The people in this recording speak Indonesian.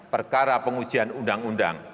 perkara pengujian undang undang